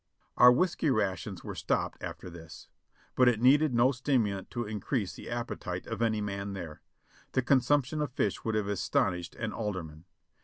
Our whiskey rations were stopped after this, but it needed no stimulant to increase the appetite of any man there. The con sumption of fish would have astonished an alderman.